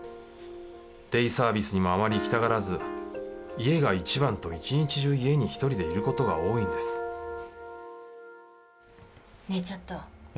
デイサービスにもあまり行きたがらず「家が一番」と一日中家に一人でいる事が多いんですねえ